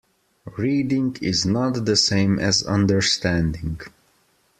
Reading is not the same as understanding.